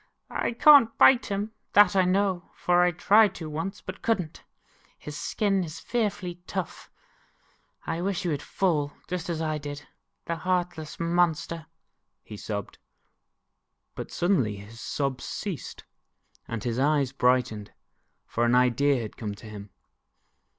I can't bite him, that I know, for I tried to once and could n't. His skin is fearfuly tough. I wish he would fall, just as I did, the heartless monster," he sobbed. But suddenly his sobs ceased, and his eyes brightened, for an idea had come to him.